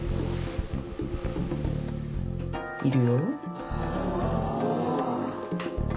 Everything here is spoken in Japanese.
いるよ。